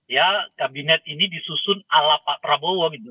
ya kabinet ini disusun ala pak prabowo gitu